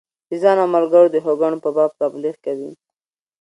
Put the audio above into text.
د ځان او ملګرو د ښیګڼو په باب تبلیغ کوي.